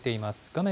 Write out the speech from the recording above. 画面